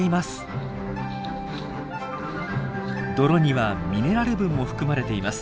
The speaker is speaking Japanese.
泥にはミネラル分も含まれています。